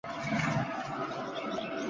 Ovozim hech chiqmaydi biroq.